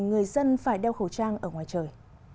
người dân phải đeo khẩu trang ở ngoài trời